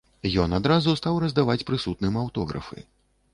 Ён адразу стаў раздаваць прысутным аўтографы.